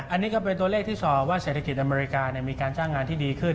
อันนี้ก็เป็นตัวเลขที่สอบว่าเศรษฐกิจอเมริกามีการจ้างงานที่ดีขึ้น